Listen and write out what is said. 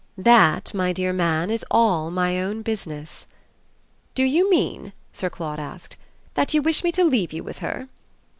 "That, my dear man, is all my own business." "Do you mean," Sir Claude asked, "that you wish me to leave you with her?"